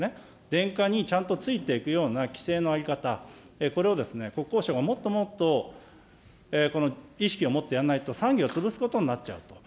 電化にちゃんとついていくような規制の在り方、これを国交省がもっともっとこの意識を持ってやんないと、産業を潰すことになっちゃうと。